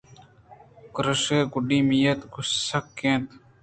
کرگُشک ءِ گُڈی اُمیّت گوٛسک اَت